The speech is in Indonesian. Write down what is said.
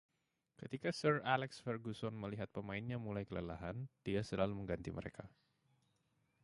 Ketika Sir Alex Ferguson melihat pemainnya mulai kelelahan, dia selalu mengganti mereka.